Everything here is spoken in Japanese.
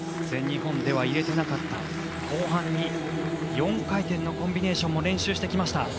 全日本では入れていなかった後半に４回転のコンビネーションも練習してきました。